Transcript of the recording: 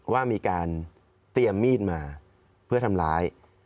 ว่ามีการเตรียมมีดมาเพื่อทำร้าย